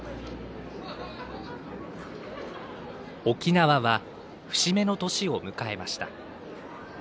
沖縄は節目の年を迎えました。